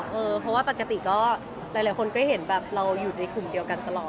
เพราะว่าปกติเขาอยู่กับกลุ่มเดียวกันตลอด